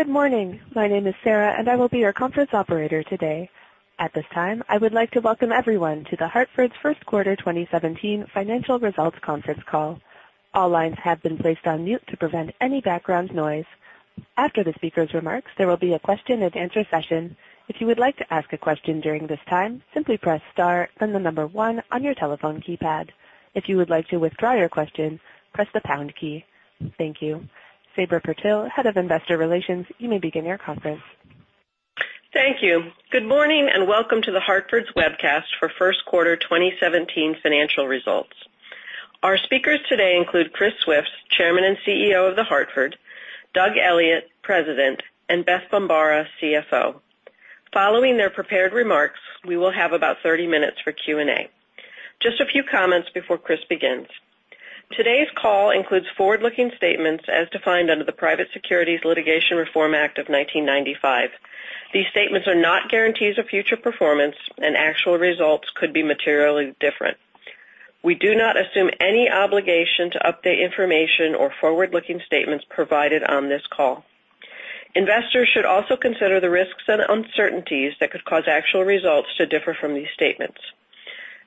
Good morning. My name is Sarah, and I will be your conference operator today. At this time, I would like to welcome everyone to The Hartford's first quarter 2017 financial results conference call. All lines have been placed on mute to prevent any background noise. After the speaker's remarks, there will be a question-and-answer session. If you would like to ask a question during this time, simply press star then 1 on your telephone keypad. If you would like to withdraw your question, press the pound key. Thank you. Sabra Purtill, Head of Investor Relations, you may begin your conference. Thank you. Good morning and welcome to The Hartford's webcast for first quarter 2017 financial results. Our speakers today include Chris Swift, Chairman and CEO of The Hartford, Doug Elliot, President, and Beth Bombara, CFO. Following their prepared remarks, we will have about 30 minutes for Q&A. Just a few comments before Chris begins. Today's call includes forward-looking statements as defined under the Private Securities Litigation Reform Act of 1995. These statements are not guarantees of future performance, and actual results could be materially different. We do not assume any obligation to update information or forward-looking statements provided on this call. Investors should also consider the risks and uncertainties that could cause actual results to differ from these statements.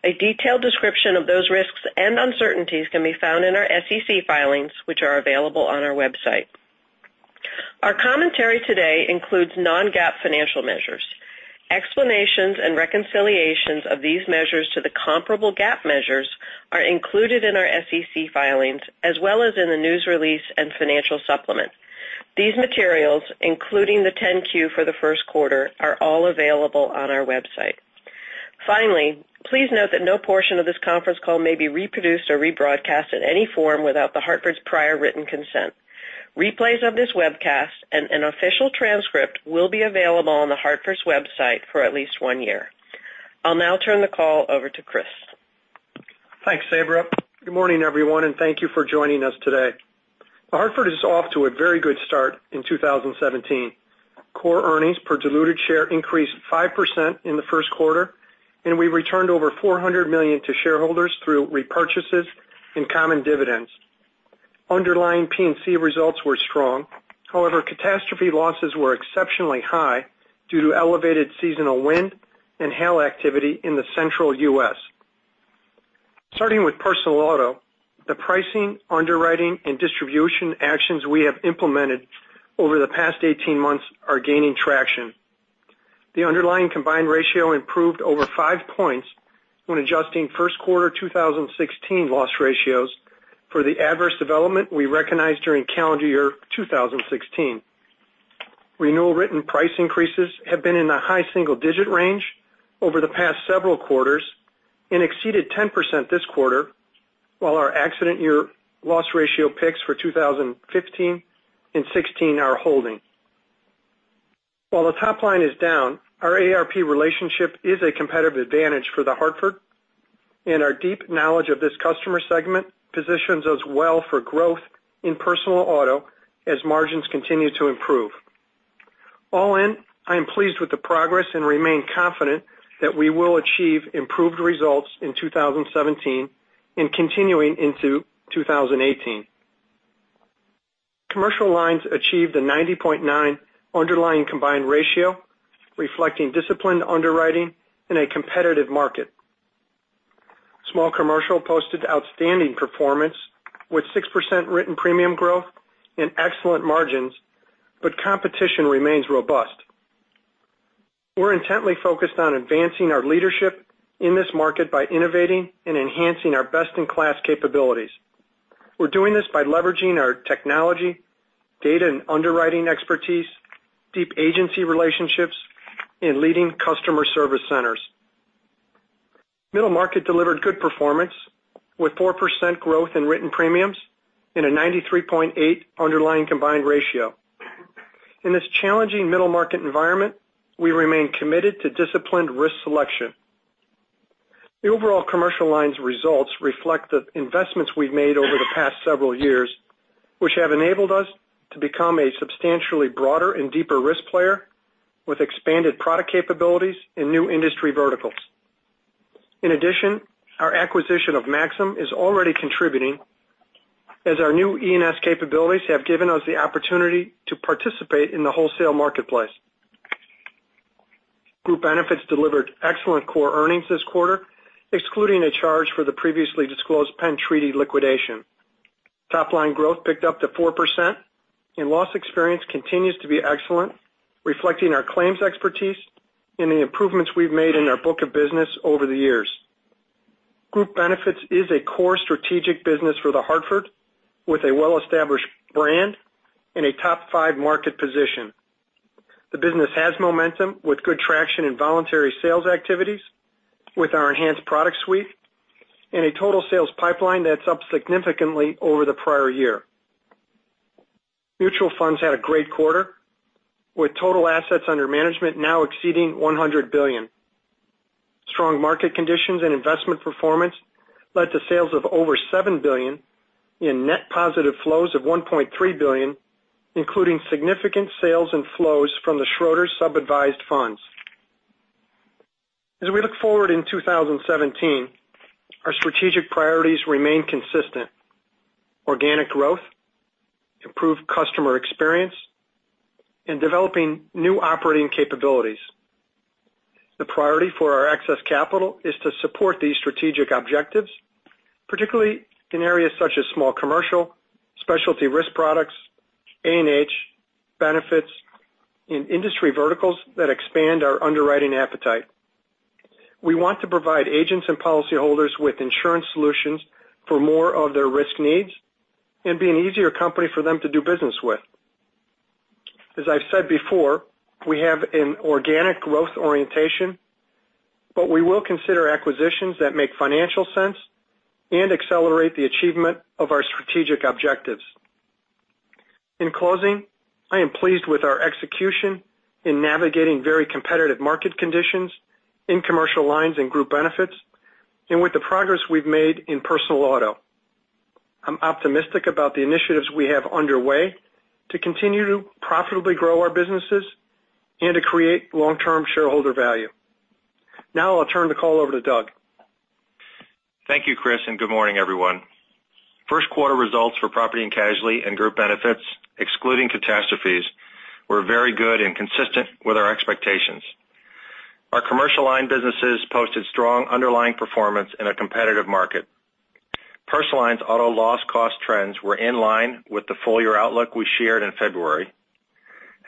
A detailed description of those risks and uncertainties can be found in our SEC filings, which are available on our website. Our commentary today includes non-GAAP financial measures. Explanations and reconciliations of these measures to the comparable GAAP measures are included in our SEC filings as well as in the news release and financial supplement. These materials, including the 10-Q for the first quarter, are all available on our website. Finally, please note that no portion of this conference call may be reproduced or rebroadcast in any form without The Hartford's prior written consent. Replays of this webcast and an official transcript will be available on The Hartford's website for at least one year. I'll now turn the call over to Chris. Thanks, Sabra. Good morning, everyone, and thank you for joining us today. The Hartford is off to a very good start in 2017. Core earnings per diluted share increased 5% in the first quarter, and we returned over $400 million to shareholders through repurchases and common dividends. Underlying P&C results were strong. However, catastrophe losses were exceptionally high due to elevated seasonal wind and hail activity in the central U.S. Starting with personal auto, the pricing, underwriting, and distribution actions we have implemented over the past 18 months are gaining traction. The underlying combined ratio improved over five points when adjusting first quarter 2016 loss ratios for the adverse development we recognized during calendar year 2016. Renewal written price increases have been in the high single-digit range over the past several quarters and exceeded 10% this quarter, while our accident year loss ratio picks for 2015 and '16 are holding. While the top line is down, our AARP relationship is a competitive advantage for The Hartford, and our deep knowledge of this customer segment positions us well for growth in personal auto as margins continue to improve. All in, I am pleased with the progress and remain confident that we will achieve improved results in 2017 and continuing into 2018. Commercial lines achieved a 90.9 underlying combined ratio, reflecting disciplined underwriting in a competitive market. Small commercial posted outstanding performance with 6% written premium growth and excellent margins, competition remains robust. We're intently focused on advancing our leadership in this market by innovating and enhancing our best-in-class capabilities. We're doing this by leveraging our technology, data and underwriting expertise, deep agency relationships, and leading customer service centers. Middle market delivered good performance with 4% growth in written premiums and a 93.8 underlying combined ratio. In this challenging middle market environment, we remain committed to disciplined risk selection. The overall commercial lines results reflect the investments we've made over the past several years, which have enabled us to become a substantially broader and deeper risk player with expanded product capabilities and new industry verticals. Our acquisition of Maxum is already contributing as our new E&S capabilities have given us the opportunity to participate in the wholesale marketplace. Group Benefits delivered excellent core earnings this quarter, excluding a charge for the previously disclosed Penn Treaty liquidation. Top-line growth picked up to 4%, loss experience continues to be excellent, reflecting our claims expertise and the improvements we've made in our book of business over the years. Group Benefits is a core strategic business for The Hartford with a well-established brand and a top five market position. The business has momentum with good traction in voluntary sales activities with our enhanced product suite and a total sales pipeline that's up significantly over the prior year. Mutual Funds had a great quarter, with total assets under management now exceeding $100 billion. Strong market conditions and investment performance led to sales of over $7 billion in net positive flows of $1.3 billion, including significant sales and flows from the Schroders Sub-Advised Funds. We look forward in 2017, our strategic priorities remain consistent. Organic growth, improved customer experience, developing new operating capabilities. The priority for our excess capital is to support these strategic objectives, particularly in areas such as small commercial, specialty risk products, A&H, benefits, and industry verticals that expand our underwriting appetite. We want to provide agents and policyholders with insurance solutions for more of their risk needs and be an easier company for them to do business with. I've said before, we have an organic growth orientation, we will consider acquisitions that make financial sense and accelerate the achievement of our strategic objectives. In closing, I am pleased with our execution in navigating very competitive market conditions in commercial lines and group benefits, with the progress we've made in personal auto. I'm optimistic about the initiatives we have underway to continue to profitably grow our businesses and to create long-term shareholder value. I'll turn the call over to Doug. Thank you, Chris, and good morning, everyone. First quarter results for Property and Casualty and Group Benefits, excluding catastrophes, were very good and consistent with our expectations. Our Commercial Lines businesses posted strong underlying performance in a competitive market. Personal Lines auto loss cost trends were in line with the full-year outlook we shared in February.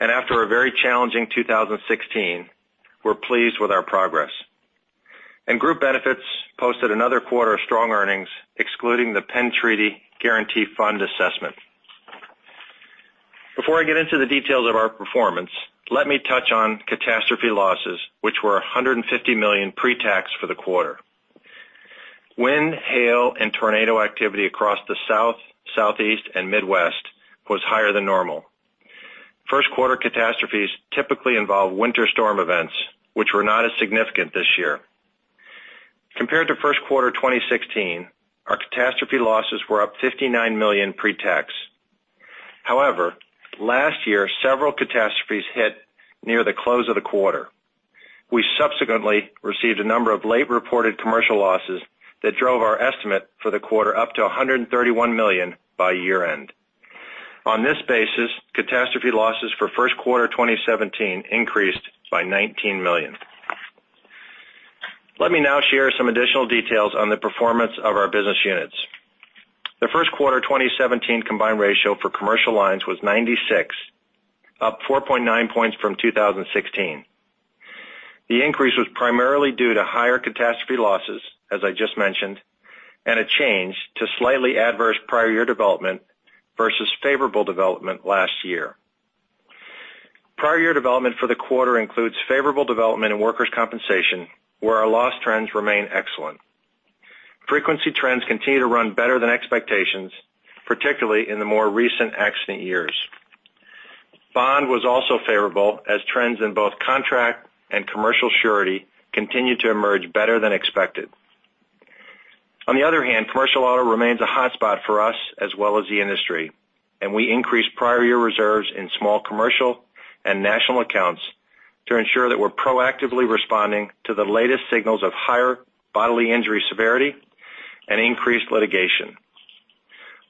After a very challenging 2016, we're pleased with our progress. Group Benefits posted another quarter of strong earnings, excluding the Penn Treaty Guarantee Fund assessment. Before I get into the details of our performance, let me touch on catastrophe losses, which were $150 million pre-tax for the quarter. Wind, hail, and tornado activity across the South, Southeast, and Midwest was higher than normal. First quarter catastrophes typically involve winter storm events, which were not as significant this year. Compared to first quarter 2016, our catastrophe losses were up $59 million pre-tax. However, last year, several catastrophes hit near the close of the quarter. We subsequently received a number of late-reported Commercial losses that drove our estimate for the quarter up to $131 million by year-end. On this basis, catastrophe losses for first quarter 2017 increased by $19 million. Let me now share some additional details on the performance of our business units. The first quarter 2017 combined ratio for Commercial Lines was 96, up 4.9 points from 2016. The increase was primarily due to higher catastrophe losses, as I just mentioned, and a change to slightly adverse prior year development versus favorable development last year. Prior year development for the quarter includes favorable development in workers' compensation, where our loss trends remain excellent. Frequency trends continue to run better than expectations, particularly in the more recent accident years. Bond was also favorable, as trends in both contract and commercial surety continued to emerge better than expected. On the other hand, Commercial Auto remains a hot spot for us as well as the industry, and we increased prior year reserves in Small Commercial and National Accounts to ensure that we're proactively responding to the latest signals of higher bodily injury severity and increased litigation.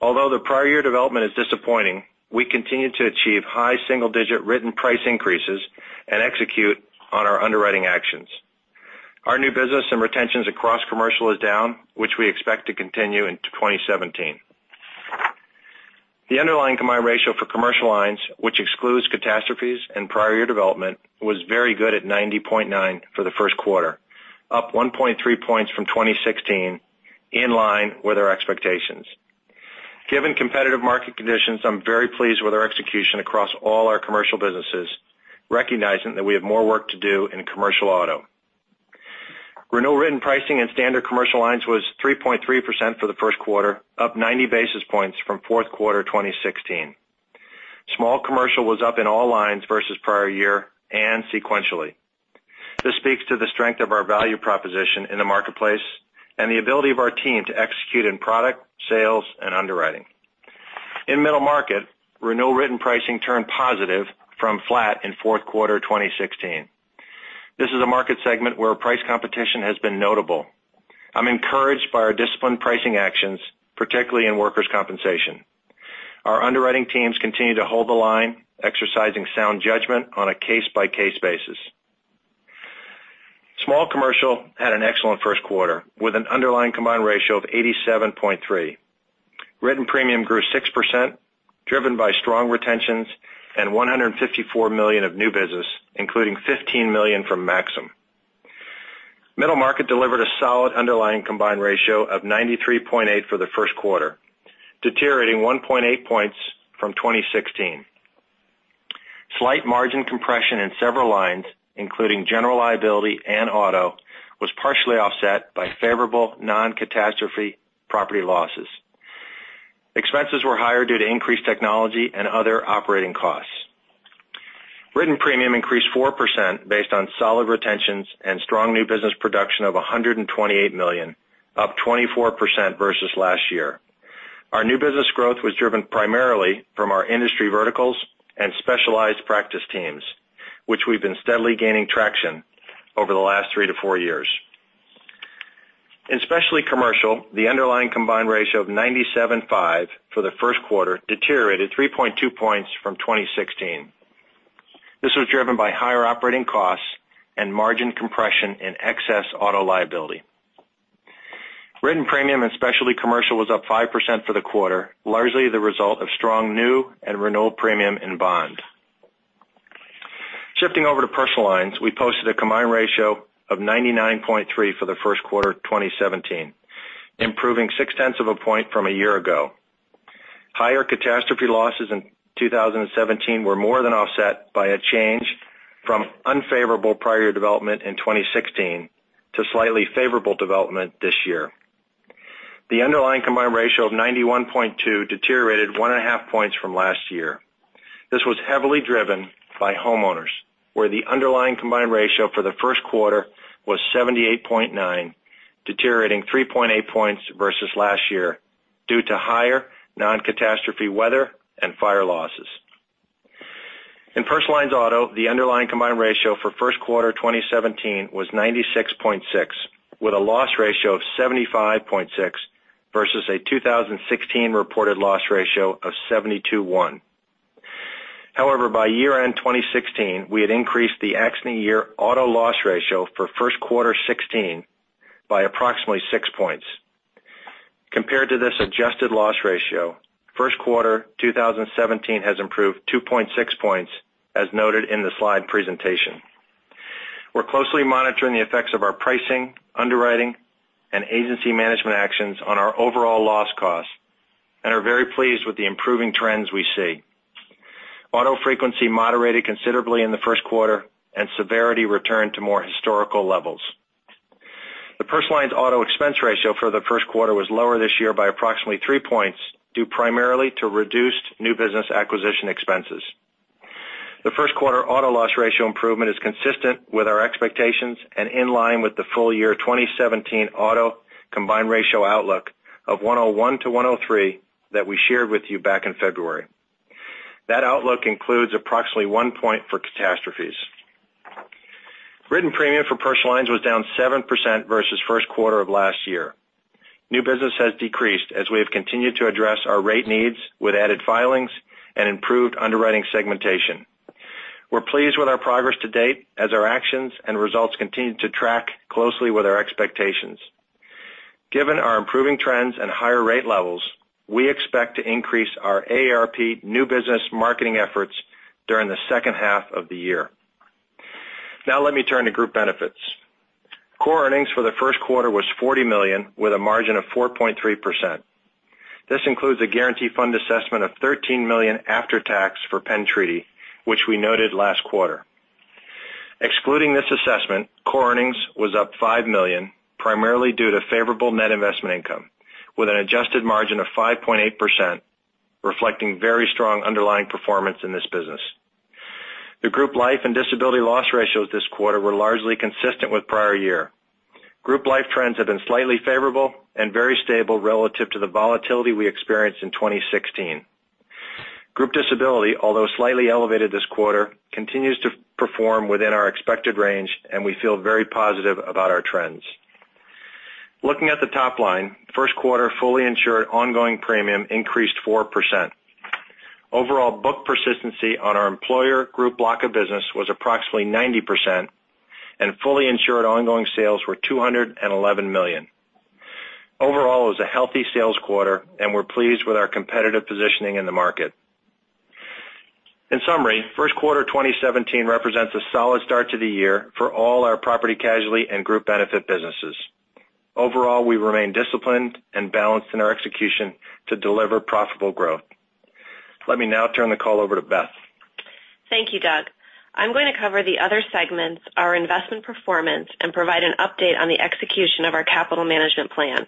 Although the prior year development is disappointing, we continue to achieve high single-digit written price increases and execute on our underwriting actions. Our new business and retentions across Commercial is down, which we expect to continue into 2017. The underlying combined ratio for Commercial Lines, which excludes catastrophes and prior year development, was very good at 90.9 for the first quarter, up 1.3 points from 2016, in line with our expectations. Given competitive market conditions, I'm very pleased with our execution across all our Commercial businesses, recognizing that we have more work to do in Commercial Auto. Renewal written pricing in standard Commercial Lines was 3.3% for the first quarter, up 90 basis points from fourth quarter 2016. Small Commercial was up in all lines versus prior year and sequentially. This speaks to the strength of our value proposition in the marketplace and the ability of our team to execute in product, sales, and underwriting. In Middle Market, renewal written pricing turned positive from flat in fourth quarter 2016. This is a market segment where price competition has been notable. I'm encouraged by our disciplined pricing actions, particularly in workers' compensation. Our underwriting teams continue to hold the line, exercising sound judgment on a case-by-case basis. Small Commercial had an excellent first quarter with an underlying combined ratio of 87.3. Written premium grew 6%, driven by strong retentions and $154 million of new business, including $15 million from Maxum. Middle market delivered a solid underlying combined ratio of 93.8 for the first quarter, deteriorating 1.8 points from 2016. Slight margin compression in several lines, including general liability and auto, was partially offset by favorable non-catastrophe property losses. Expenses were higher due to increased technology and other operating costs. Written premium increased 4% based on solid retentions and strong new business production of $128 million, up 24% versus last year. Our new business growth was driven primarily from our industry verticals and specialized practice teams, which we've been steadily gaining traction over the last three to four years. In Specialty Commercial, the underlying combined ratio of 97.5 for the first quarter deteriorated 3.2 points from 2016. This was driven by higher operating costs and margin compression in excess auto liability. Written premium in Specialty Commercial was up 5% for the quarter, largely the result of strong new and renewal premium in Bond. Shifting over to Personal Lines, we posted a combined ratio of 99.3 for the first quarter 2017, improving six tenths of a point from a year ago. Higher catastrophe losses in 2017 were more than offset by a change from unfavorable prior development in 2016 to slightly favorable development this year. The underlying combined ratio of 91.2 deteriorated one and a half points from last year. This was heavily driven by homeowners, where the underlying combined ratio for the first quarter was 78.9, deteriorating 3.8 points versus last year due to higher non-catastrophe weather and fire losses. In Personal Lines auto, the underlying combined ratio for first quarter 2017 was 96.6, with a loss ratio of 75.6 versus a 2016 reported loss ratio of 72.1. By year-end 2016, we had increased the accident year auto loss ratio for first quarter 2016 by approximately six points. Compared to this adjusted loss ratio, first quarter 2017 has improved 2.6 points, as noted in the slide presentation. We're closely monitoring the effects of our pricing, underwriting, and agency management actions on our overall loss costs and are very pleased with the improving trends we see. Auto frequency moderated considerably in the first quarter and severity returned to more historical levels. The Personal Lines auto expense ratio for the first quarter was lower this year by approximately three points, due primarily to reduced new business acquisition expenses. The first quarter auto loss ratio improvement is consistent with our expectations and in line with the full year 2017 auto combined ratio outlook of 101 to 103 that we shared with you back in February. That outlook includes approximately one point for catastrophes. Written premium for Personal Lines was down 7% versus first quarter of last year. New business has decreased as we have continued to address our rate needs with added filings and improved underwriting segmentation. We're pleased with our progress to date as our actions and results continue to track closely with our expectations. Given our improving trends and higher rate levels, we expect to increase our AARP new business marketing efforts during the second half of the year. Let me turn to Group Benefits. Core earnings for the first quarter was $40 million, with a margin of 4.3%. This includes a guarantee fund assessment of $13 million after tax for Penn Treaty, which we noted last quarter. Excluding this assessment, core earnings was up $5 million, primarily due to favorable net investment income, with an adjusted margin of 5.8%, reflecting very strong underlying performance in this business. The group life and disability loss ratios this quarter were largely consistent with prior year. Group life trends have been slightly favorable and very stable relative to the volatility we experienced in 2016. Group disability, although slightly elevated this quarter, continues to perform within our expected range, and we feel very positive about our trends. Looking at the top line, first quarter fully insured ongoing premium increased 4%. Overall book persistency on our employer group block of business was approximately 90%, and fully insured ongoing sales were $211 million. Overall, it was a healthy sales quarter, and we're pleased with our competitive positioning in the market. In summary, first quarter 2017 represents a solid start to the year for all our Property Casualty and Group Benefit businesses. Overall, we remain disciplined and balanced in our execution to deliver profitable growth. Let me now turn the call over to Beth. Thank you, Doug. I'm going to cover the other segments, our investment performance, and provide an update on the execution of our capital management plan.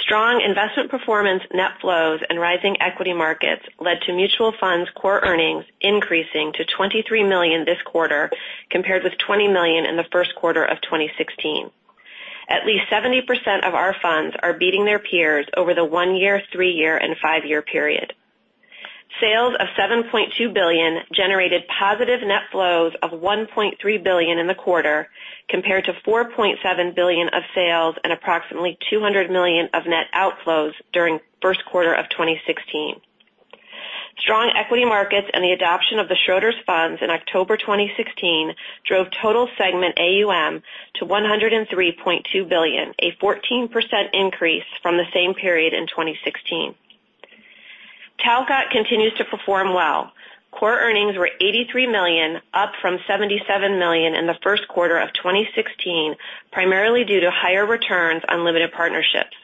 Strong investment performance net flows and rising equity markets led to Mutual Funds core earnings increasing to $23 million this quarter, compared with $20 million in the first quarter of 2016. At least 70% of our funds are beating their peers over the one-year, three-year, and five-year period. Sales of $7.2 billion generated positive net flows of $1.3 billion in the quarter, compared to $4.7 billion of sales and approximately $200 million of net outflows during first quarter of 2016. Strong equity markets and the adoption of the Schroders funds in October 2016 drove total segment AUM to $103.2 billion, a 14% increase from the same period in 2016. Talcott continues to perform well. Core earnings were $83 million, up from $77 million in the first quarter of 2016, primarily due to higher returns on limited partnerships.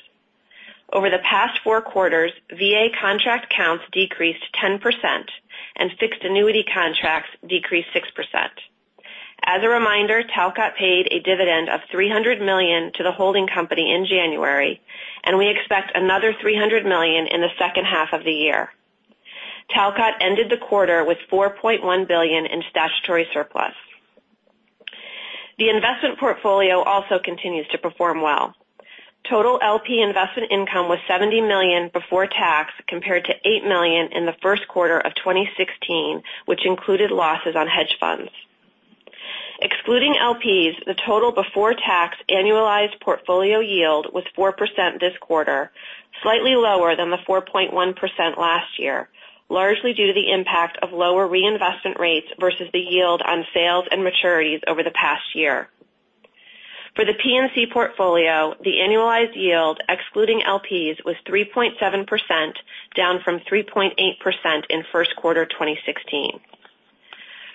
Over the past four quarters, VA contract counts decreased 10%, and fixed annuity contracts decreased 6%. As a reminder, Talcott paid a dividend of $300 million to the holding company in January, and we expect another $300 million in the second half of the year. Talcott ended the quarter with $4.1 billion in statutory surplus. The investment portfolio also continues to perform well. Total LP investment income was $70 million before tax compared to $8 million in the first quarter of 2016, which included losses on hedge funds. Excluding LPs, the total before-tax annualized portfolio yield was 4% this quarter, slightly lower than the 4.1% last year, largely due to the impact of lower reinvestment rates versus the yield on sales and maturities over the past year. For the P&C portfolio, the annualized yield excluding LPs was 3.7%, down from 3.8% in first quarter 2016.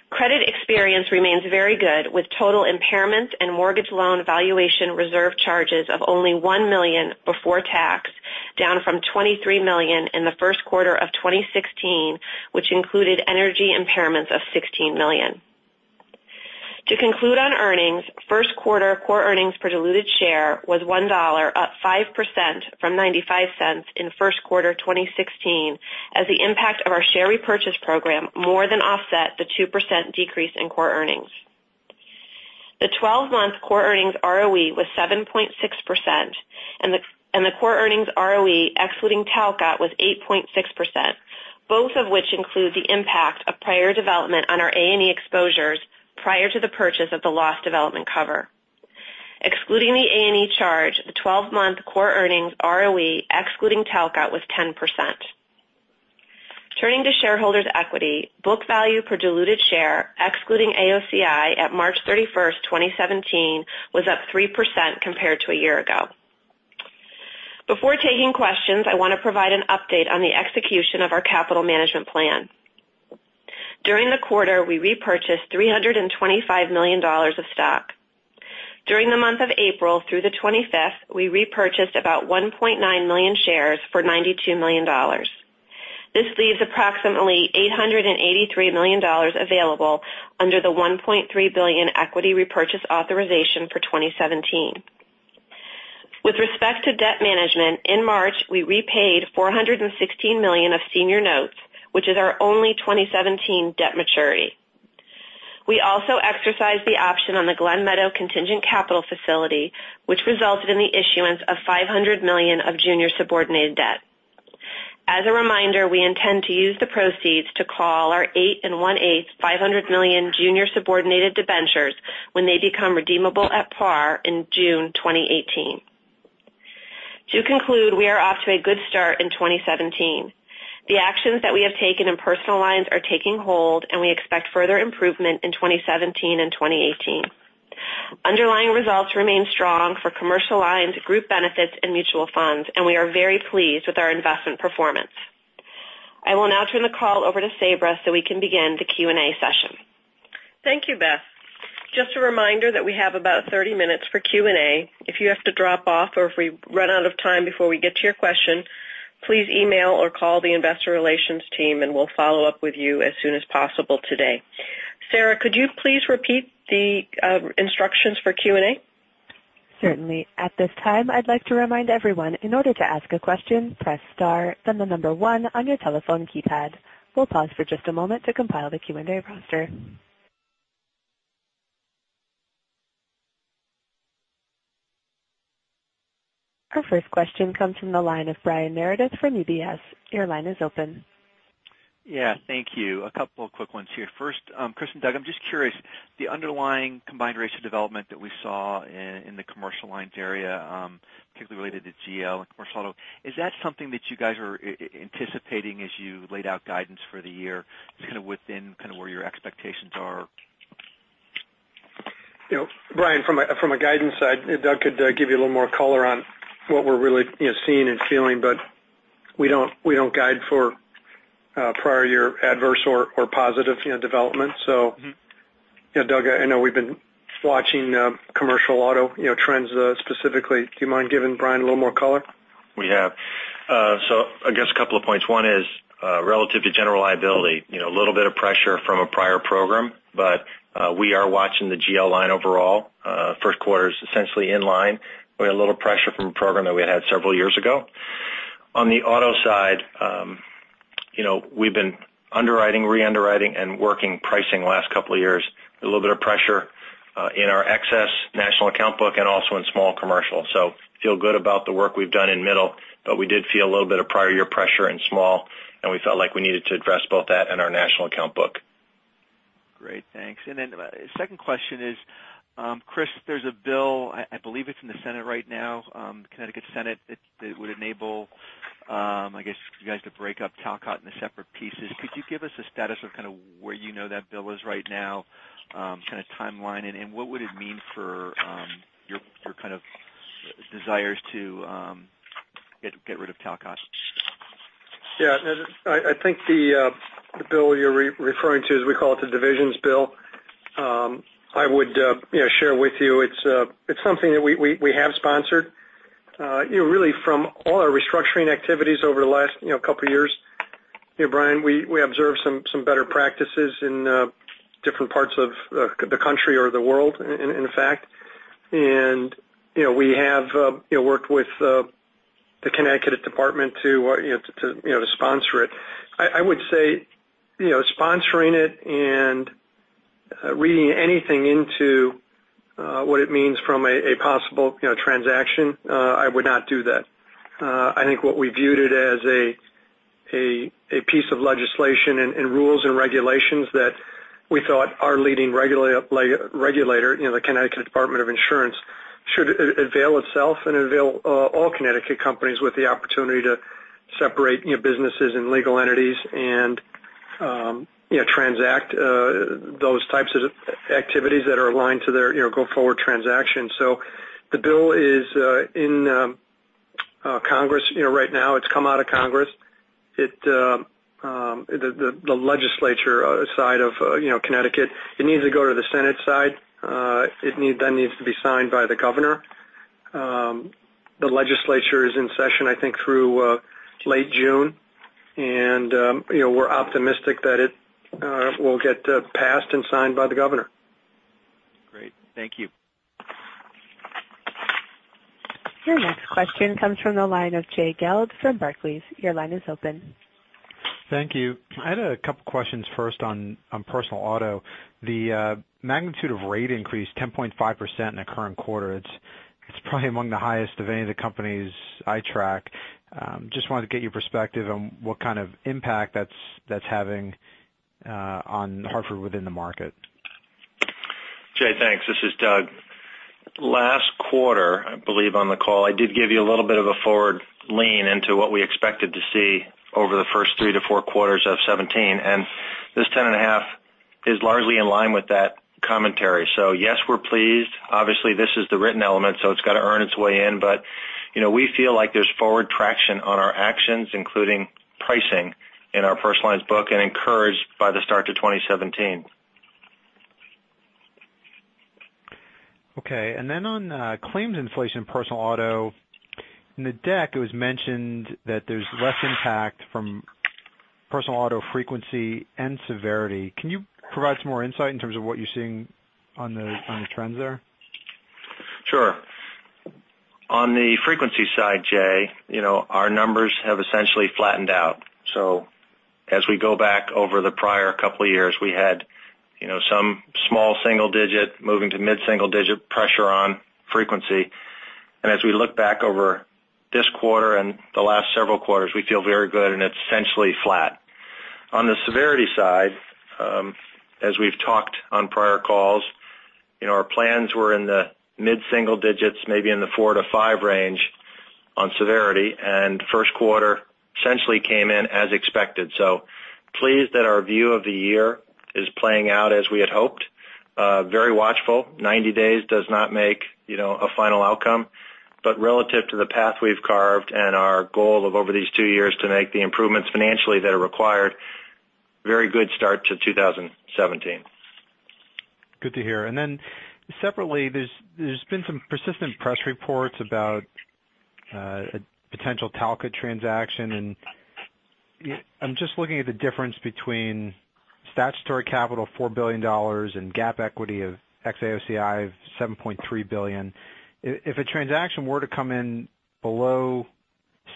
Credit experience remains very good, with total impairment and mortgage loan valuation reserve charges of only $1 million before tax, down from $23 million in the first quarter of 2016, which included energy impairments of $16 million. To conclude on earnings, first quarter core earnings per diluted share was $1, up 5% from $0.95 in first quarter 2016, as the impact of our share repurchase program more than offset the 2% decrease in core earnings. The 12-month core earnings ROE was 7.6%, and the core earnings ROE excluding Talcott was 8.6%, both of which include the impact of prior development on our A&E exposures prior to the purchase of the loss development cover. Excluding the A&E charge, the 12-month core earnings ROE excluding Talcott was 10%. Turning to shareholders' equity, book value per diluted share, excluding AOCI at March 31st, 2017, was up 3% compared to a year ago. Before taking questions, I want to provide an update on the execution of our capital management plan. During the quarter, we repurchased $325 million of stock. During the month of April through the 25th, we repurchased about 1.9 million shares for $92 million. This leaves approximately $883 million available under the $1.3 billion equity repurchase authorization for 2017. With respect to debt management, in March, we repaid $416 million of senior notes, which is our only 2017 debt maturity. We also exercised the option on the Glen Meadow contingent capital facility, which resulted in the issuance of $500 million of junior subordinated debt. As a reminder, we intend to use the proceeds to call our 8 1/8, $500 million junior subordinated debentures when they become redeemable at par in June 2018. To conclude, we are off to a good start in 2017. The actions that we have taken in personal lines are taking hold, and we expect further improvement in 2017 and 2018. Underlying results remain strong for commercial lines, group benefits, and mutual funds, and we are very pleased with our investment performance. I will now turn the call over to Sabra so we can begin the Q&A session. Thank you, Beth. Just a reminder that we have about 30 minutes for Q&A. If you have to drop off or if we run out of time before we get to your question, please email or call the investor relations team, and we'll follow up with you as soon as possible today. Sarah, could you please repeat the instructions for Q&A? Certainly. At this time, I'd like to remind everyone, in order to ask a question, press star, then the number one on your telephone keypad. We'll pause for just a moment to compile the Q&A roster. Our first question comes from the line of Brian Meredith from UBS. Your line is open. Yeah, thank you. A couple of quick ones here. First, Chris and Doug, I'm just curious. The underlying combined ratio development that we saw in the commercial lines area, particularly related to GL and commercial auto, is that something that you guys are anticipating as you laid out guidance for the year? Is it within where your expectations are? Brian, from a guidance side, Doug could give you a little more color on what we're really seeing and feeling. We don't guide for prior year adverse or positive development. Doug, I know we've been watching commercial auto trends specifically. Do you mind giving Brian a little more color? We have. I guess a couple of points. One is, relative to general liability, a little bit of pressure from a prior program. We are watching the GL line overall. First quarter's essentially in line with a little pressure from a program that we had several years ago. On the auto side, we've been underwriting, re-underwriting, and working pricing the last couple of years. A little bit of pressure in our excess national account book and also in small commercial. Feel good about the work we've done in middle, but we did feel a little bit of prior year pressure in small, and we felt like we needed to address both that and our national account book. Great. Thanks. Second question is, Chris, there's a bill, I believe it's in the Senate right now, Connecticut Senate, that would enable you guys to break up Talcott into separate pieces. Could you give us a status of where you know that bill is right now, timeline, and what would it mean for your desires to get rid of Talcott? Yeah. I think the bill you're referring to, as we call it, the divisions bill, I would share with you it's something that we have sponsored. Really from all our restructuring activities over the last couple of years, Brian, we observed some better practices in different parts of the country or the world, in fact. We have worked with The Connecticut Department to sponsor it. I would say sponsoring it and reading anything into what it means from a possible transaction, I would not do that. I think what we viewed it as a piece of legislation and rules and regulations that we thought our leading regulator, the Connecticut Department of Insurance, should avail itself and avail all Connecticut companies with the opportunity to separate businesses and legal entities and transact those types of activities that are aligned to their go-forward transaction. The bill is in Congress right now. It's come out of Congress. The Legislature side of Connecticut, it needs to go to the Senate side. It needs to be signed by the governor. The Legislature is in session, I think, through late June, we're optimistic that it will get passed and signed by the governor. Great. Thank you. Your next question comes from the line of Jay Gelb from Barclays. Your line is open. Thank you. I had a couple questions first on personal auto. The magnitude of rate increase, 10.5% in the current quarter, it is probably among the highest of any of the companies I track. Just wanted to get your perspective on what kind of impact that is having on Hartford within the market. Jay, thanks. This is Doug. Last quarter, I believe on the call, I did give you a little bit of a forward lean into what we expected to see over the first three to four quarters of 2017. This 10.5% is largely in line with that commentary. Yes, we are pleased. Obviously, this is the written element, so it has got to earn its way in. We feel like there is forward traction on our actions, including pricing in our personal lines book, and encouraged by the start to 2017. Okay. Then on claims inflation personal auto, in the deck it was mentioned that there is less impact from personal auto frequency and severity. Can you provide some more insight in terms of what you are seeing on the trends there? Sure. On the frequency side, Jay, our numbers have essentially flattened out. As we go back over the prior couple of years, we had some small single-digit moving to mid-single-digit pressure on frequency. As we look back over this quarter and the last several quarters, we feel very good, and it's essentially flat. On the severity side, as we've talked on prior calls, our plans were in the mid-single-digits, maybe in the four to five range on severity, and first quarter essentially came in as expected. Pleased that our view of the year is playing out as we had hoped. Very watchful. 90 days does not make a final outcome. Relative to the path we've carved and our goal of over these 2 years to make the improvements financially that are required, very good start to 2017. Good to hear. Separately, there's been some persistent press reports about a potential Talcott transaction, and I'm just looking at the difference between statutory capital, $4 billion, and GAAP equity of ex-AOCI of $7.3 billion. If a transaction were to come in below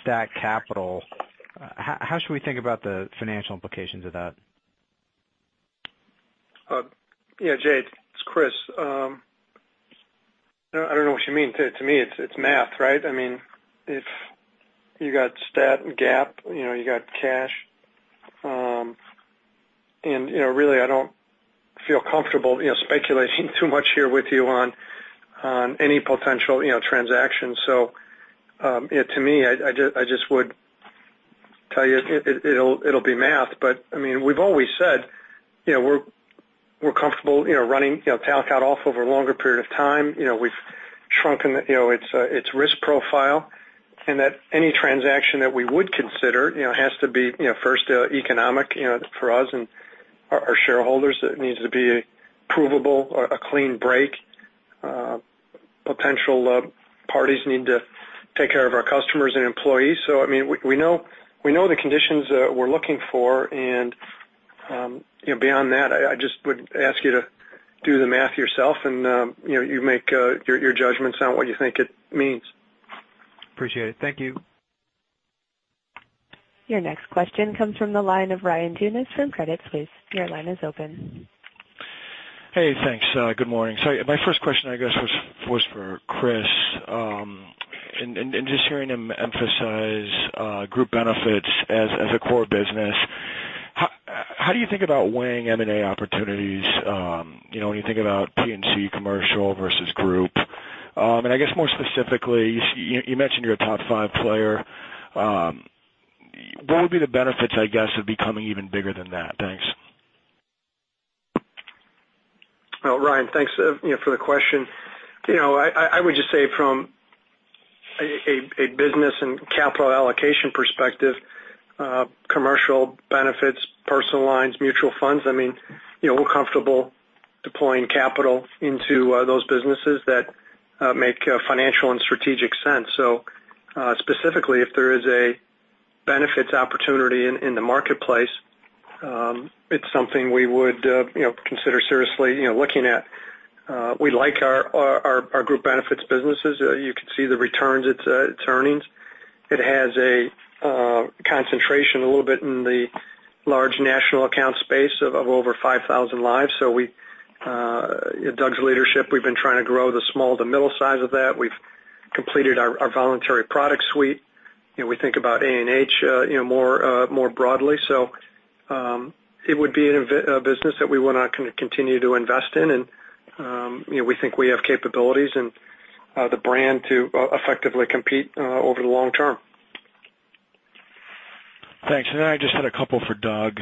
stat capital, how should we think about the financial implications of that? Jay, it's Chris. I don't know what you mean. To me, it's math, right? If you got stat and GAAP, you got cash. Really, I don't feel comfortable speculating too much here with you on any potential transaction. To me, I just would tell you it'll be math. We've always said we're comfortable running Talcott off over a longer period of time. We've shrunken its risk profile, that any transaction that we would consider has to be first economic for us and our shareholders. It needs to be provable, a clean break. Potential parties need to take care of our customers and employees. We know the conditions we're looking for, beyond that, I just would ask you to do the math yourself, and you make your judgments on what you think it means. Appreciate it. Thank you. Your next question comes from the line of Ryan Tunis from Credit Suisse. Your line is open. Hey, thanks. Good morning. My first question, I guess, was for Chris, and just hearing him emphasize group benefits as a core business. How do you think about weighing M&A opportunities when you think about P&C commercial versus group? I guess more specifically, you mentioned you're a top five player. What would be the benefits, I guess, of becoming even bigger than that? Thanks. Ryan, thanks for the question. I would just say from a business and capital allocation perspective, commercial benefits, personal lines, mutual funds, we're comfortable deploying capital into those businesses that make financial and strategic sense. Specifically, if there is a Benefits opportunity in the marketplace, it's something we would consider seriously looking at. We like our group benefits businesses. You can see the returns it's earnings. It has a concentration a little bit in the large national account space of over 5,000 lives. With Doug's leadership, we've been trying to grow the small to middle size of that. We've completed our voluntary product suite. We think about A&H more broadly. It would be a business that we want to continue to invest in, and we think we have capabilities and the brand to effectively compete over the long term. Thanks. I just had a couple for Doug.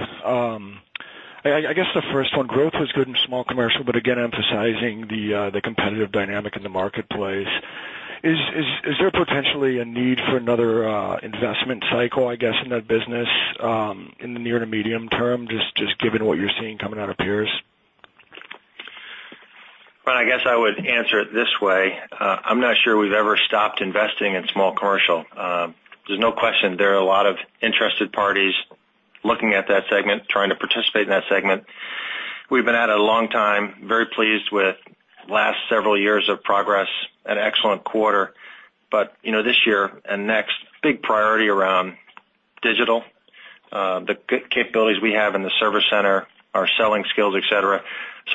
The first one, growth was good in small commercial, but again, emphasizing the competitive dynamic in the marketplace. Is there potentially a need for another investment cycle in that business, in the near to medium term, just given what you're seeing coming out of peers? I would answer it this way. I'm not sure we've ever stopped investing in small commercial. There's no question there are a lot of interested parties looking at that segment, trying to participate in that segment. We've been at it a long time, very pleased with last several years of progress, an excellent quarter. This year and next, big priority around digital, the capabilities we have in the service center, our selling skills, et cetera.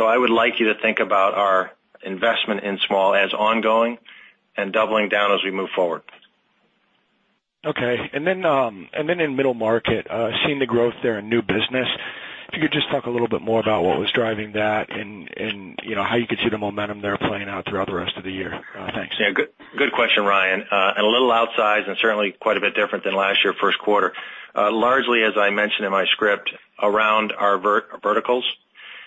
I would like you to think about our investment in small as ongoing and doubling down as we move forward. Okay. In middle market, seeing the growth there in new business, if you could just talk a little bit more about what was driving that and how you could see the momentum there playing out throughout the rest of the year. Thanks. Yeah. Good question, Ryan. A little outsized and certainly quite a bit different than last year, first quarter. Largely, as I mentioned in my script, around our verticals.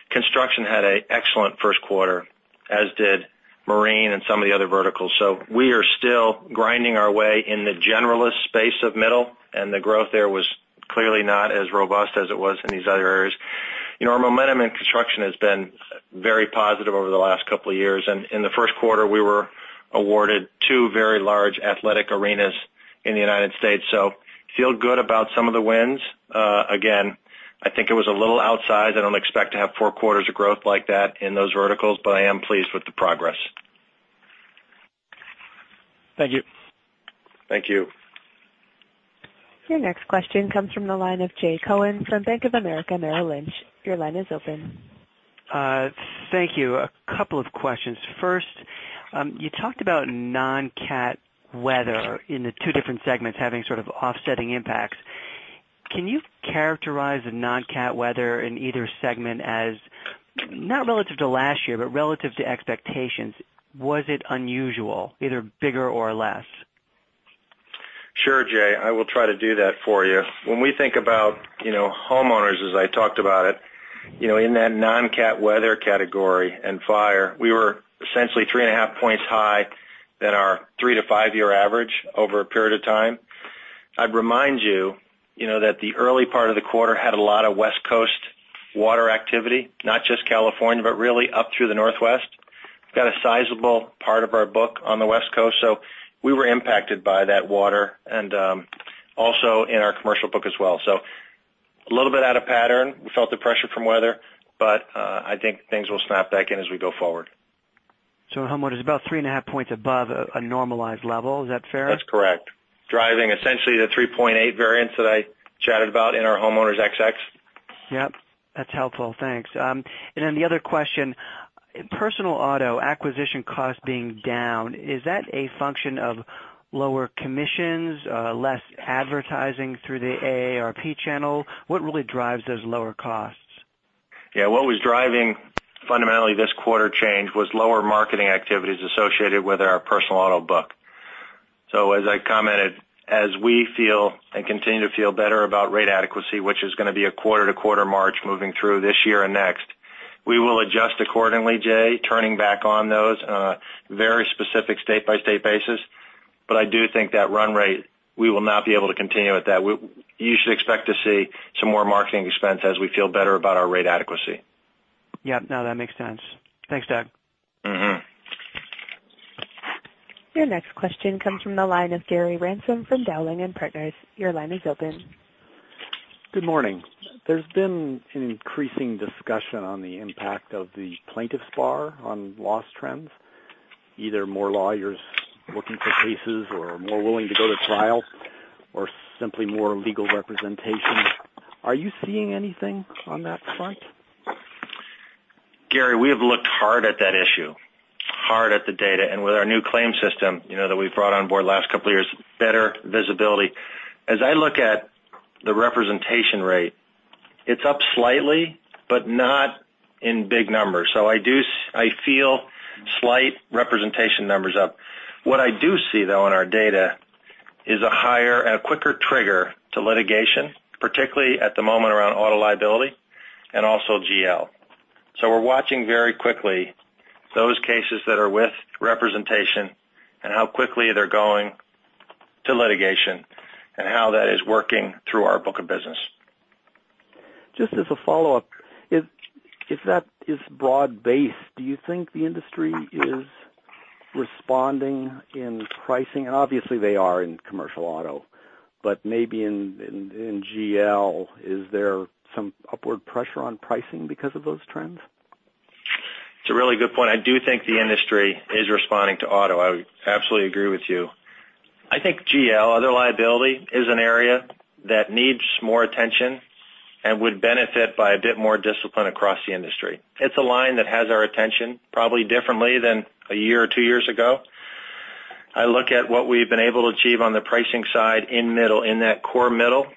Construction had an excellent first quarter, as did marine and some of the other verticals. We are still grinding our way in the generalist space of middle, and the growth there was clearly not as robust as it was in these other areas. Our momentum in construction has been very positive over the last couple of years, and in the first quarter, we were awarded 2 very large athletic arenas in the U.S., so feel good about some of the wins. Again, I think it was a little outsized. I don't expect to have 4 quarters of growth like that in those verticals, but I am pleased with the progress. Thank you. Thank you. Your next question comes from the line of Jay Cohen from Bank of America Merrill Lynch. Your line is open. Thank you. A couple of questions. First, you talked about non-cat weather in the two different segments having sort of offsetting impacts. Can you characterize a non-cat weather in either segment as, not relative to last year, but relative to expectations, was it unusual, either bigger or less? Sure, Jay. I will try to do that for you. When we think about homeowners, as I talked about it, in that non-cat weather category and fire, we were essentially 3 and a half points high than our 3-5-year average over a period of time. I'd remind you that the early part of the quarter had a lot of West Coast water activity, not just California, but really up through the Northwest. We've got a sizable part of our book on the West Coast, so we were impacted by that water, and also in our commercial book as well. A little bit out of pattern. We felt the pressure from weather, I think things will snap back in as we go forward. Homeowners, about 3 and a half points above a normalized level. Is that fair? That's correct. Driving essentially the 3.8 variance that I chatted about in our homeowners. Yep. That's helpful. Thanks. The other question, personal auto acquisition cost being down, is that a function of lower commissions, less advertising through the AARP channel? What really drives those lower costs? What was driving fundamentally this quarter change was lower marketing activities associated with our personal auto book. As I commented, as we feel and continue to feel better about rate adequacy, which is going to be a quarter-to-quarter march moving through this year and next, we will adjust accordingly, Jay, turning back on those on a very specific state-by-state basis. I do think that run rate, we will not be able to continue with that. You should expect to see some more marketing expense as we feel better about our rate adequacy. That makes sense. Thanks, Doug. Your next question comes from the line of Gary Ransom from Dowling & Partners. Your line is open. Good morning. There's been an increasing discussion on the impact of the plaintiffs' bar on loss trends, either more lawyers looking for cases or more willing to go to trial or simply more legal representation. Are you seeing anything on that front? Gary, we have looked hard at that issue, hard at the data, and with our new claim system that we've brought on board the last couple of years, better visibility. As I look at the representation rate, it's up slightly, but not in big numbers. I feel slight representation numbers up. What I do see, though, in our data is a higher and a quicker trigger to litigation, particularly at the moment around auto liability and also GL. We're watching very quickly those cases that are with representation and how quickly they're going to litigation and how that is working through our book of business. Just as a follow-up, if that is broad-based, do you think the industry is responding in pricing? Obviously they are in commercial auto, but maybe in GL, is there some upward pressure on pricing because of those trends? It's a really good point. I do think the industry is responding to auto. I absolutely agree with you. I think GL, other liability, is an area that needs more attention and would benefit by a bit more discipline across the industry. It's a line that has our attention probably differently than a year or two years ago. I look at what we've been able to achieve on the pricing side in middle, in that core middle,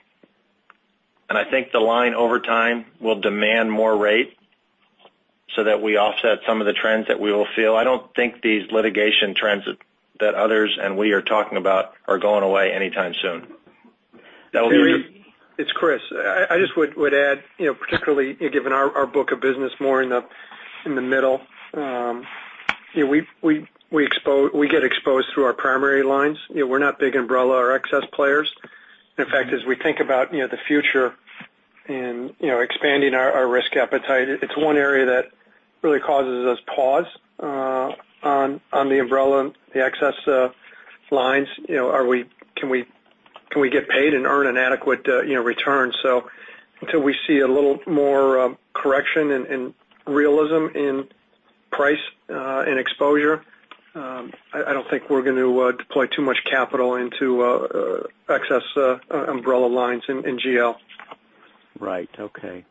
I think the line over time will demand more rate so that we offset some of the trends that we will feel. I don't think these litigation trends that others and we are talking about are going away anytime soon. That will be. Gary, it's Chris. I just would add, particularly given our book of business more in the middle, we get exposed through our primary lines. We're not big umbrella or excess players. In fact, as we think about the future in expanding our risk appetite, it's one area that really causes us pause on the umbrella, the excess lines. Can we get paid and earn an adequate return? Until we see a little more correction and realism in price and exposure, I don't think we're going to deploy too much capital into excess umbrella lines in GL. Right. Okay.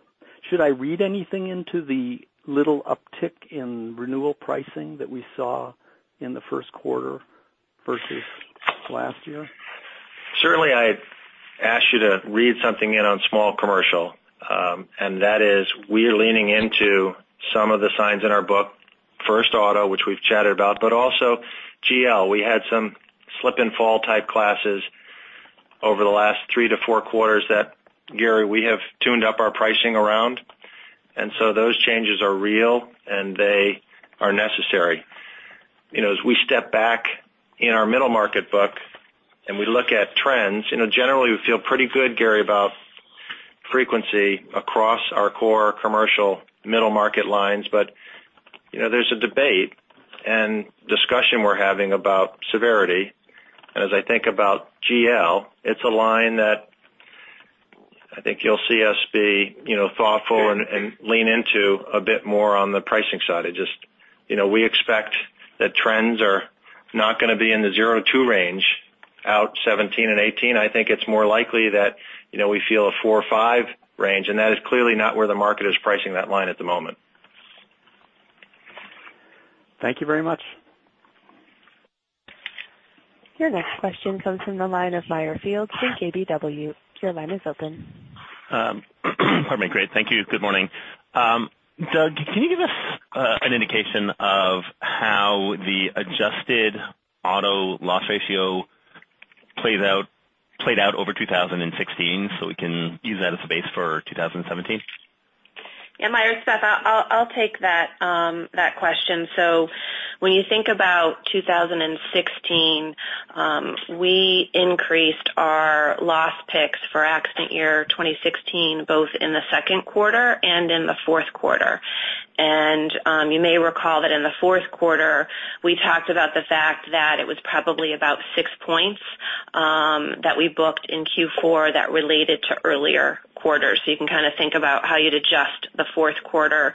Should I read anything into the little uptick in renewal pricing that we saw in the first quarter versus last year? Certainly, I'd ask you to read something in on small commercial, and that is we're leaning into some of the signs in our book. First auto, which we've chatted about, but also GL. We had some slip and fall type classes over the last three to four quarters that, Gary, we have tuned up our pricing around. Those changes are real, and they are necessary. As we step back in our middle market book and we look at trends, generally, we feel pretty good, Gary, about frequency across our core commercial middle market lines. There's a debate and discussion we're having about severity. As I think about GL, it's a line that I think you'll see us be thoughtful and lean into a bit more on the pricing side. We expect that trends are not going to be in the zero two range out 2017 and 2018. I think it's more likely that we feel a four or five range. That is clearly not where the market is pricing that line at the moment. Thank you very much. Your next question comes from the line of Meyer Shields from KBW. Your line is open. Pardon me. Great. Thank you. Good morning. Doug, can you give us an indication of how the adjusted auto loss ratio played out over 2016 so we can use that as a base for 2017? Yeah, Meyer, it's Beth. I'll take that question. When you think about 2016, we increased our loss picks for accident year 2016, both in the second quarter and in the fourth quarter. You may recall that in the fourth quarter, we talked about the fact that it was probably about six points that we booked in Q4 that related to earlier quarters. You can think about how you'd adjust the fourth quarter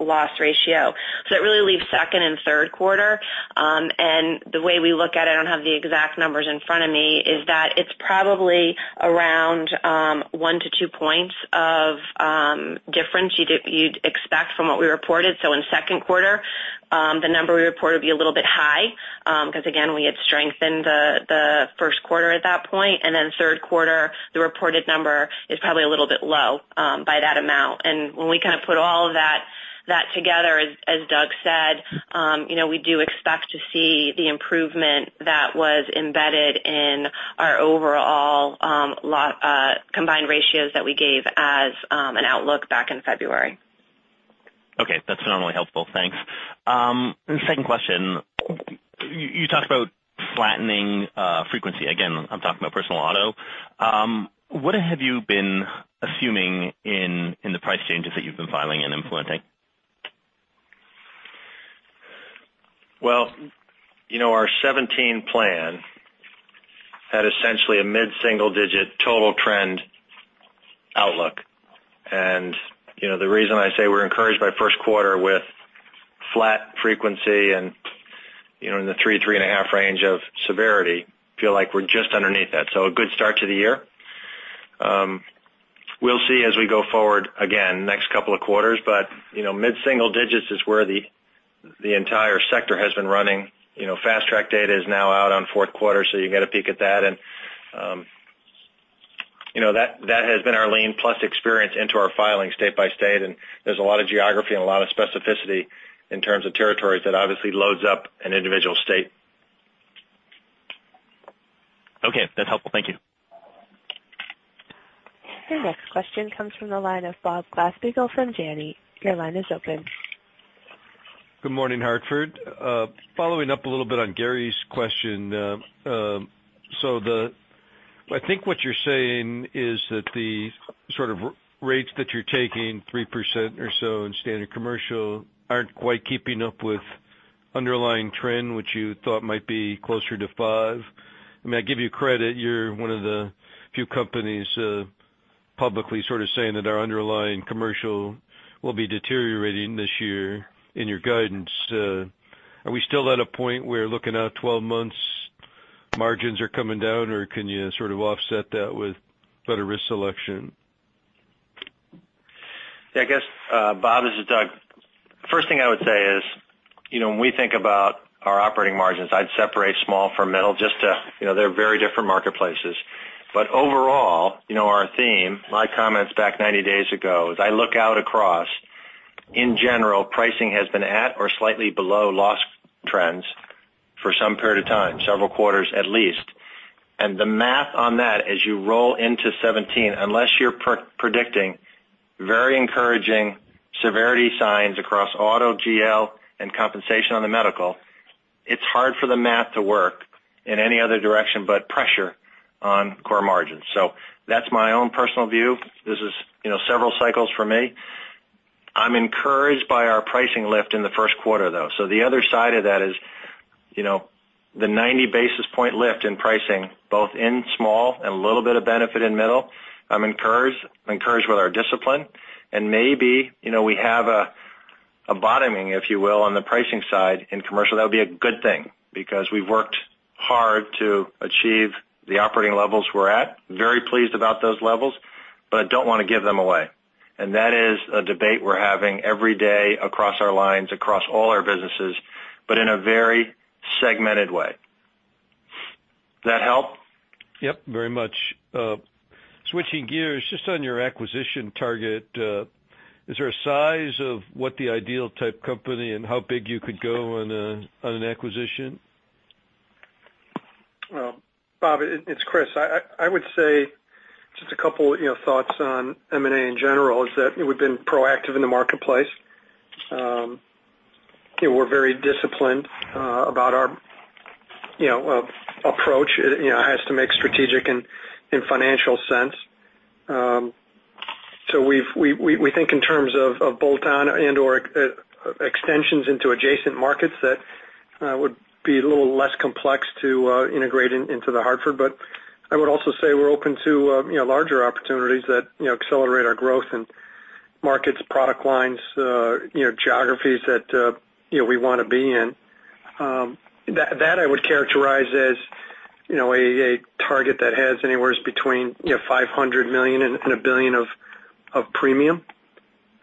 loss ratio. It really leaves second and third quarter, and the way we look at it, I don't have the exact numbers in front of me, is that it's probably around one to two points of difference you'd expect from what we reported. In the second quarter, the number we reported would be a little bit high because again, we had strengthened the first quarter at that point. Third quarter, the reported number is probably a little bit low by that amount. When we put all of that together, as Doug said, we do expect to see the improvement that was embedded in our overall combined ratios that we gave as an outlook back in February. Okay. That's phenomenally helpful. Thanks. The second question, you talked about flattening frequency. Again, I'm talking about personal auto. What have you been assuming in the price changes that you've been filing and implementing? Well, our 2017 plan had essentially a mid-single-digit total trend outlook. The reason I say we're encouraged by first quarter with flat frequency and in the 3-3.5 range of severity, feel like we're just underneath that. A good start to the year. We'll see as we go forward again next couple of quarters, but mid-single digits is where the entire sector has been running. Fast Track data is now out on fourth quarter, you get a peek at that, and that has been our lean plus experience into our filing state by state, and there's a lot of geography and a lot of specificity in terms of territories that obviously loads up an individual state. Okay. That's helpful. Thank you. Your next question comes from the line of Bob Glasspiegel from Janney. Your line is open. Good morning, Hartford. Following up a little bit on Gary's question. I think what you're saying is that the sort of rates that you're taking, 3% or so in standard commercial, aren't quite keeping up with underlying trend, which you thought might be closer to 5%. I give you credit. You're one of the few companies publicly sort of saying that our underlying commercial will be deteriorating this year in your guidance. Are we still at a point where looking out 12 months margins are coming down, or can you sort of offset that with better risk selection? Yeah, I guess, Bob, this is Doug. First thing I would say is, when we think about our operating margins, I'd separate small from middle, they're very different marketplaces. Overall, our theme, my comments back 90 days ago, as I look out across, in general, pricing has been at or slightly below loss trends for some period of time, several quarters at least. The math on that as you roll into 2017, unless you're predicting very encouraging severity signs across auto GL and compensation on the medical, it's hard for the math to work in any other direction but pressure on core margins. That's my own personal view. This is several cycles for me. I'm encouraged by our pricing lift in the first quarter, though. The other side of that is the 90 basis point lift in pricing, both in small and a little bit of benefit in middle. I'm encouraged with our discipline and maybe we have a bottoming, if you will, on the pricing side in commercial. That would be a good thing because we've worked hard to achieve the operating levels we're at, very pleased about those levels, but don't want to give them away. That is a debate we're having every day across our lines, across all our businesses, but in a very segmented way. That help? Yep, very much. Switching gears, just on your acquisition target, is there a size of what the ideal type company and how big you could go on an acquisition? Well, Bob, it's Chris. I would say just a couple thoughts on M&A in general is that we've been proactive in the marketplace. We're very disciplined about our approach. It has to make strategic and financial sense. We think in terms of bolt-on and/or extensions into adjacent markets that would be a little less complex to integrate into The Hartford. I would also say we're open to larger opportunities that accelerate our growth in markets, product lines, geographies that we want to be in. That I would characterize as a target that has anywhere between $500 million and $1 billion of premium.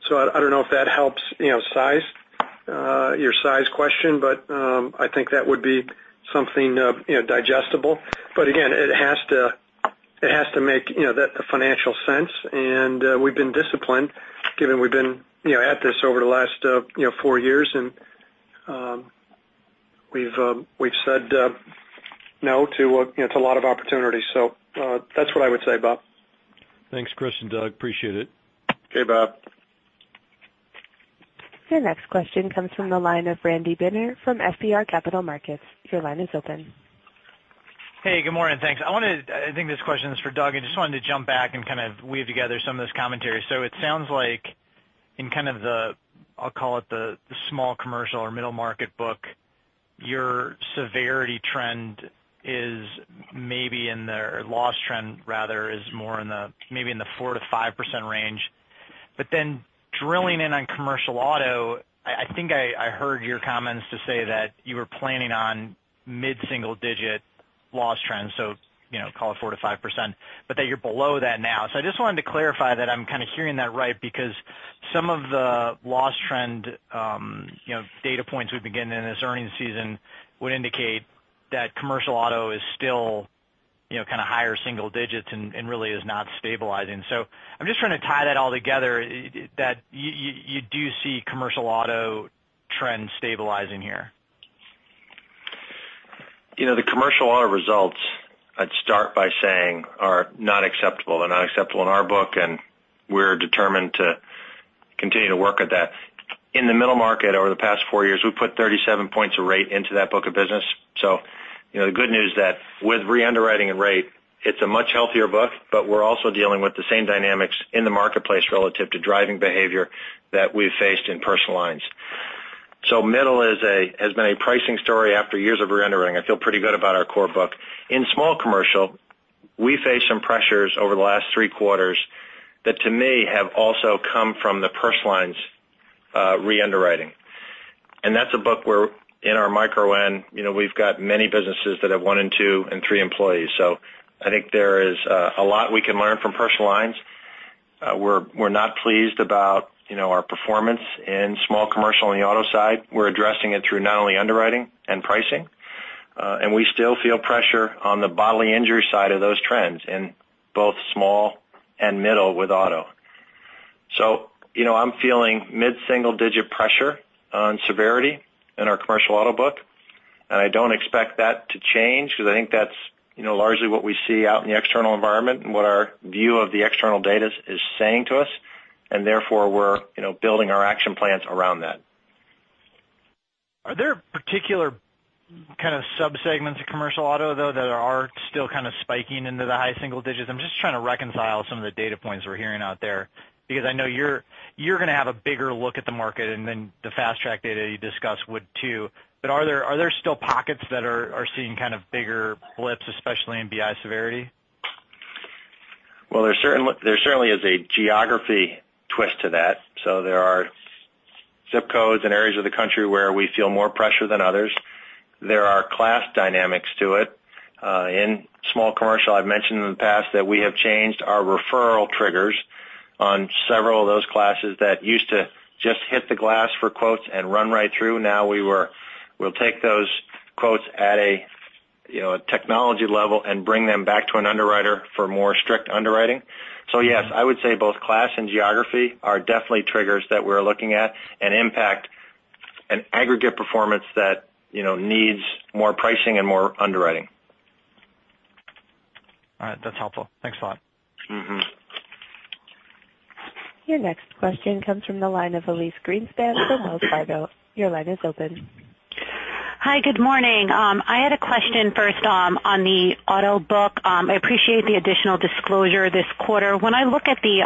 I don't know if that helps your size question, but I think that would be something digestible. Again, it has to make financial sense, and we've been disciplined given we've been at this over the last four years, and we've said no to a lot of opportunities. That's what I would say, Bob. Thanks, Chris and Doug. Appreciate it. Okay. Bob. Your next question comes from the line of Randy Binner from FBR Capital Markets. Your line is open. Hey, good morning. Thanks. I think this question is for Doug. I just wanted to jump back and kind of weave together some of this commentary. It sounds like in kind of the, I'll call it the small commercial or middle market book, your severity trend is maybe in the loss trend rather is more maybe in the 4%-5% range. Drilling in on commercial auto, I think I heard your comments to say that you were planning on mid-single digit loss trends, call it 4%-5%, but that you're below that now. I just wanted to clarify that I'm kind of hearing that right because some of the loss trend data points we've been getting in this earnings season would indicate that commercial auto is still kind of higher single digits and really is not stabilizing. I'm just trying to tie that all together that you do see commercial auto trends stabilizing here. The commercial auto results, I'd start by saying are not acceptable. They're not acceptable in our book, and we're determined to continue to work at that. In the middle market over the past four years, we put 37 points of rate into that book of business. The good news is that with re-underwriting and rate, it's a much healthier book, but we're also dealing with the same dynamics in the marketplace relative to driving behavior that we've faced in personal lines. Middle has been a pricing story after years of re-underwriting. I feel pretty good about our core book. In small commercial, we faced some pressures over the last three quarters that to me have also come from the personal lines re-underwriting. That's a book where in our micro end, we've got many businesses that have one and two and three employees. I think there is a lot we can learn from personal lines. We're not pleased about our performance in small commercial on the auto side. We're addressing it through not only underwriting and pricing. We still feel pressure on the bodily injury side of those trends in both small and middle with auto. I'm feeling mid-single digit pressure on severity in our commercial auto book. I don't expect that to change because I think that's largely what we see out in the external environment and what our view of the external data is saying to us, therefore, we're building our action plans around that. Are there particular kind of sub-segments of commercial auto, though, that are still kind of spiking into the high single digits? I'm just trying to reconcile some of the data points we're hearing out there, because I know you're going to have a bigger look at the market than the Fast Track data you discussed would too. Are there still pockets that are seeing kind of bigger blips, especially in BI severity? There certainly is a geography twist to that. There are zip codes in areas of the country where we feel more pressure than others. There are class dynamics to it. In small commercial, I've mentioned in the past that we have changed our referral triggers on several of those classes that used to just hit the glass for quotes and run right through. Now we'll take those quotes at a technology level and bring them back to an underwriter for more strict underwriting. Yes, I would say both class and geography are definitely triggers that we're looking at, and impact an aggregate performance that needs more pricing and more underwriting. All right. That's helpful. Thanks a lot. Your next question comes from the line of Elyse Greenspan from Wells Fargo. Your line is open. Hi. Good morning. I had a question first on the auto book. I appreciate the additional disclosure this quarter. When I look at the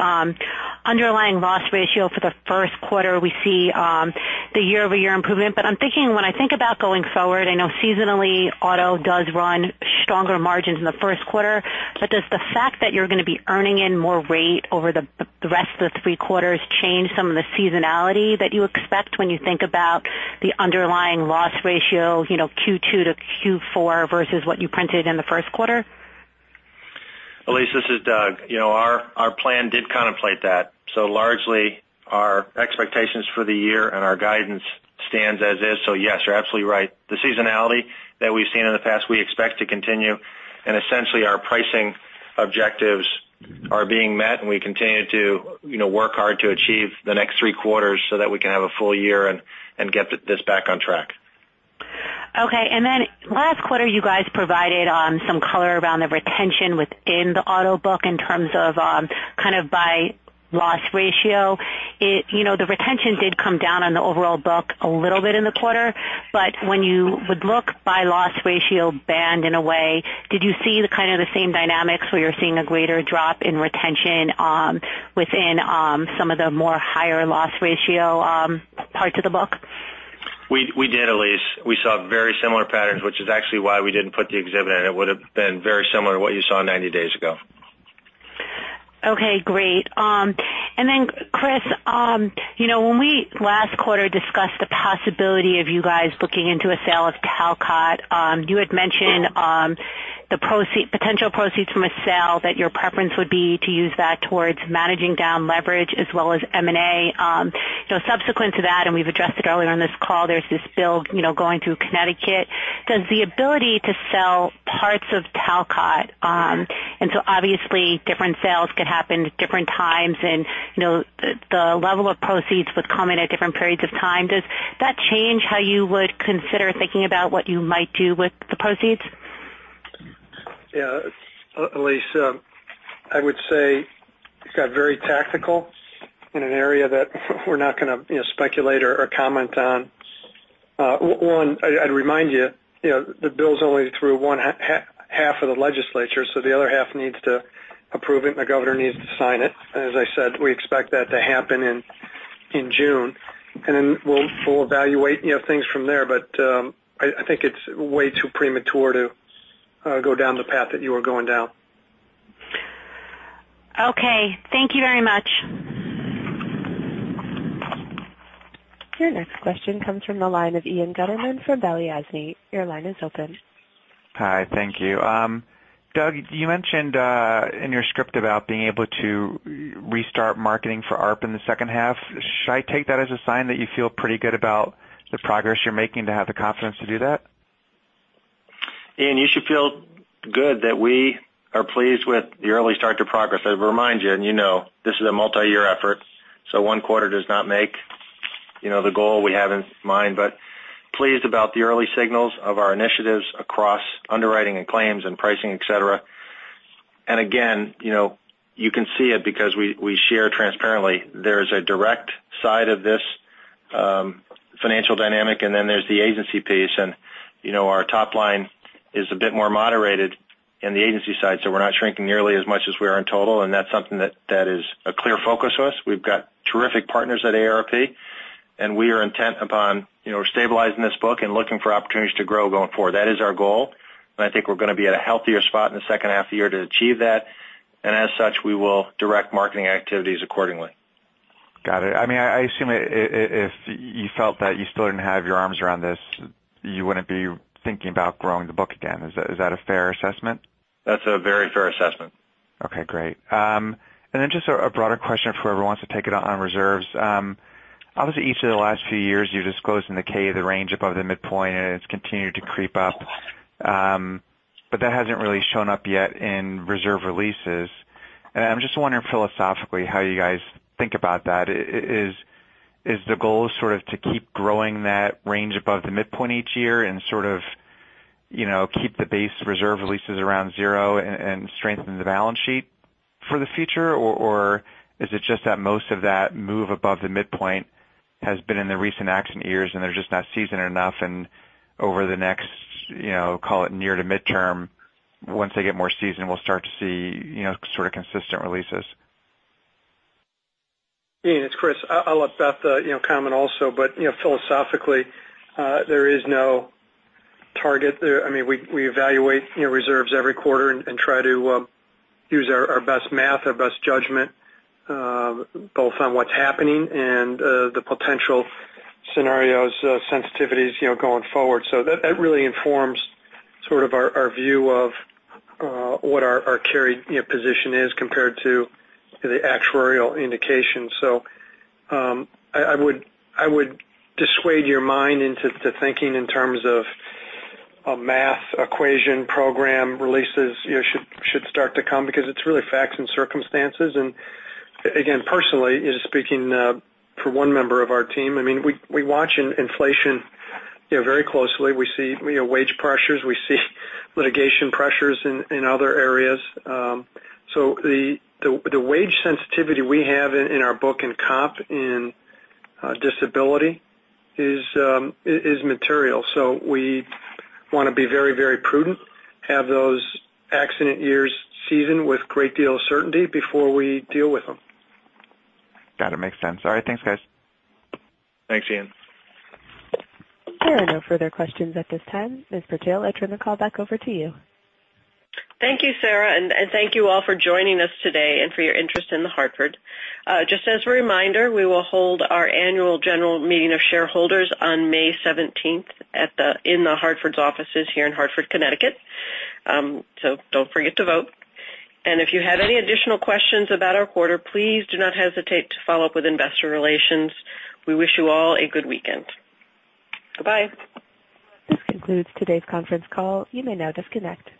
underlying loss ratio for the first quarter, we see the year-over-year improvement. I'm thinking when I think about going forward, I know seasonally auto does run stronger margins in the first quarter, but does the fact that you're going to be earning in more rate over the rest of the three quarters change some of the seasonality that you expect when you think about the underlying loss ratio Q2 to Q4 versus what you printed in the first quarter? Elyse, this is Doug. Our plan did contemplate that. Largely our expectations for the year and our guidance stands as is. Yes, you're absolutely right. The seasonality that we've seen in the past, we expect to continue, and essentially our pricing objectives are being met, and we continue to work hard to achieve the next three quarters so that we can have a full year and get this back on track. Okay. Last quarter, you guys provided some color around the retention within the auto book in terms of kind of by loss ratio. The retention did come down on the overall book a little bit in the quarter. When you would look by loss ratio band in a way, did you see the kind of the same dynamics where you're seeing a greater drop in retention within some of the more higher loss ratio parts of the book? We did, Elyse. We saw very similar patterns, which is actually why we didn't put the exhibit in. It would've been very similar to what you saw 90 days ago. Okay, great. Chris, when we last quarter discussed the possibility of you guys looking into a sale of Talcott, you had mentioned the potential proceeds from a sale, that your preference would be to use that towards managing down leverage as well as M&A. Subsequent to that, we've addressed it earlier on this call, there's this bill going through Connecticut. Does the ability to sell parts of Talcott, obviously different sales could happen at different times, and the level of proceeds would come in at different periods of time, does that change how you would consider thinking about what you might do with the proceeds? Yeah. Elyse, I would say it's got very tactical in an area that we're not going to speculate or comment on. One, I'd remind you, the bill's only through one half of the legislature, the other half needs to approve it, the governor needs to sign it. As I said, we expect that to happen in June. We'll evaluate things from there. I think it's way too premature to go down the path that you are going down. Okay. Thank you very much. Your next question comes from the line of Ian Gutterman from Balyasny. Your line is open. Hi. Thank you. Doug Elliot, you mentioned in your script about being able to restart marketing for AARP in the second half. Should I take that as a sign that you feel pretty good about the progress you're making to have the confidence to do that? Ian, you should feel good that we are pleased with the early start to progress. I would remind you, and you know, this is a multi-year effort, so one quarter does not make the goal we have in mind. Pleased about the early signals of our initiatives across underwriting and claims and pricing, et cetera. Again, you can see it because we share transparently. There's a direct side of this financial dynamic, and then there's the agency piece. Our top line is a bit more moderated in the agency side, so we're not shrinking nearly as much as we are in total, and that's something that is a clear focus to us. We've got terrific partners at AARP, and we are intent upon stabilizing this book and looking for opportunities to grow going forward. That is our goal, and I think we're going to be at a healthier spot in the second half of the year to achieve that, and as such, we will direct marketing activities accordingly. Got it. I assume if you felt that you still didn't have your arms around this, you wouldn't be thinking about growing the book again. Is that a fair assessment? That's a very fair assessment. Okay, great. Just a broader question for whoever wants to take it on reserves. Obviously, each of the last few years, you've disclosed in the K the range above the midpoint, and it's continued to creep up. That hasn't really shown up yet in reserve releases. I'm just wondering philosophically how you guys think about that. Is the goal sort of to keep growing that range above the midpoint each year and sort of keep the base reserve releases around 0 and strengthen the balance sheet for the future? Or is it just that most of that move above the midpoint has been in the recent accident years, and they're just not seasoned enough, and over the next call it near to midterm, once they get more seasoned, we'll start to see sort of consistent releases? Ian, it's Chris. I'll let Beth comment also. Philosophically, there is no target there. We evaluate reserves every quarter and try to use our best math, our best judgment, both on what's happening and the potential scenarios, sensitivities going forward. That really informs sort of our view of what our carried position is compared to the actuarial indication. I would dissuade your mind into thinking in terms of a math equation program releases should start to come because it's really facts and circumstances. Again, personally, speaking for one member of our team, we watch inflation very closely. We see wage pressures. We see litigation pressures in other areas. The wage sensitivity we have in our book in comp in disability is material. We want to be very prudent, have those accident years seasoned with great deal of certainty before we deal with them. Got it. Makes sense. All right, thanks, guys. Thanks, Ian. There are no further questions at this time. Ms. Purtill, I turn the call back over to you. Thank you, Sarah, and thank you all for joining us today and for your interest in The Hartford. Just as a reminder, we will hold our annual general meeting of shareholders on May 17th in The Hartford's offices here in Hartford, Connecticut. Don't forget to vote. If you have any additional questions about our quarter, please do not hesitate to follow up with investor relations. We wish you all a good weekend. Bye-bye. This concludes today's conference call. You may now disconnect.